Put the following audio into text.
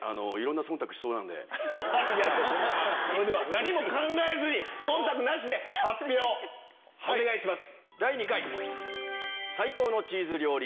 何も考えずに忖度なしで発表お願いします。